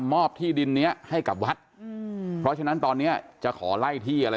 มอบที่ดินเนี้ยให้กับวัดอืมเพราะฉะนั้นตอนเนี้ยจะขอไล่ที่อะไร